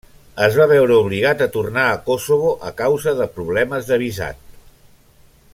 Es va veure obligat a tornar a Kosovo a causa de problemes de visat.